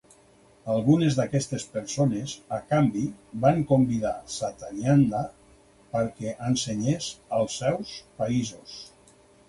Algunes d'aquestes persones, a canvi, van convidar Satyananda perquè ensenyés als seus països.